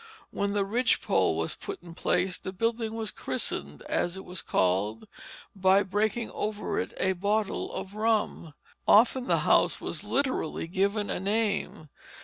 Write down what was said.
When the ridge pole was put in place, the building was christened, as it was called, by breaking over it a bottle of rum. Often the house was literally given a name.